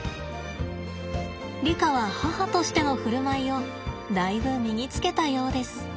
リカは母としての振る舞いをだいぶ身につけたようです。